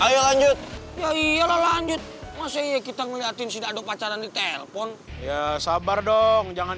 ya iyalah lanjut masih kita ngeliatin tidak ada pacaran di telepon ya sabar dong jangan